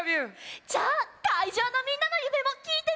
じゃあかいじょうのみんなのゆめもきいてみようよ！